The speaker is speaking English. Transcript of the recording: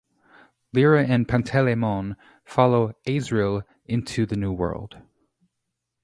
Lyra and Pantalaimon follow Asriel into the new world.